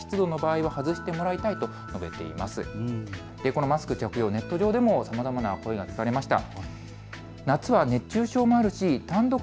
このマスクの着用、ネット上でもさまざまな声が聞かれました。